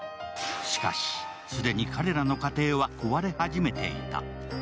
しかし、既に彼らの家庭は壊れ始めていた。